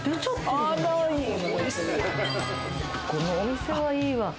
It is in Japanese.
このお店はいいわ。